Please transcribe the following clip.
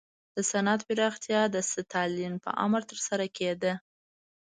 د صنعت پراختیا د ستالین په امر ترسره کېده.